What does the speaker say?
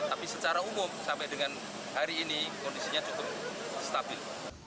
tapi secara umum sampai dengan hari ini kondisinya cukup stabil